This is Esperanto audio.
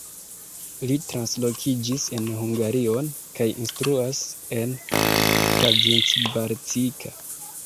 Li translokiĝis en Hungarion kaj instruas en Kazincbarcika.